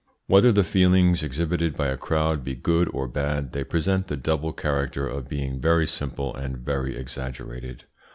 Whether the feelings exhibited by a crowd be good or bad, they present the double character of being very simple and very exaggerated.